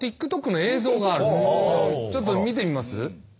ちょっと見てみます？